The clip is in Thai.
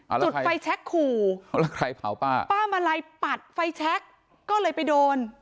อ่าแล้วใครจุดไฟแชคขู่แล้วใครเผาป้าป้ามาลัยปัดไฟแชคก็เลยไปโดน